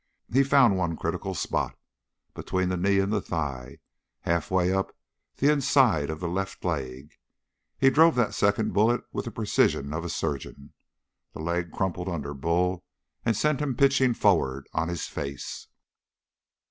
He found one critical spot. Between the knee and the thigh, halfway up on the inside of the left leg, he drove that second bullet with the precision of a surgeon. The leg crumpled under Bull and sent him pitching forward on his face.